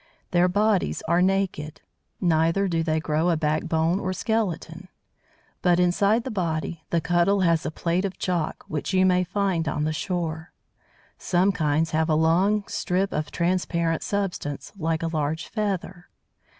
Their bodies are naked. Neither do they grow a backbone, or skeleton; but, inside the body, the Cuttle has a plate of chalk, which you may find on the shore. Some kinds have a long strip of transparent substance, like a large feather.